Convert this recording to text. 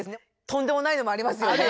とんでもないのもありますよね。